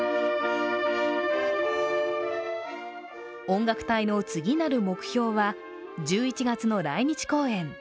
音楽隊の次なる目標は１１月の来日公演。